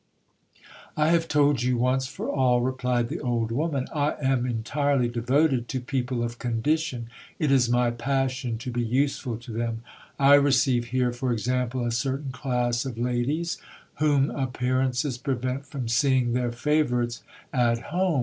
I have told you once for all, replied the old woman, I am entirely devoted to people of condition ; it is my passion to be useful to them : I receive here, for pcample, a certain class of ladies, whom appearances prevent from seeing their avourites at home.